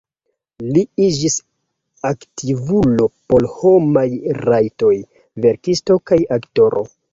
Li iĝis aktivulo por homaj rajtoj, verkisto kaj aktoro.